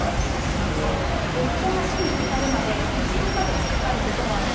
夫が死に至るまで１、２か月かかることもある。